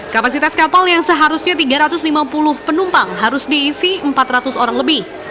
kapasitas kapal yang seharusnya tiga ratus lima puluh penumpang harus diisi empat ratus orang lebih